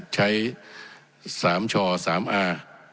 ใช้สามช่อสามอ่า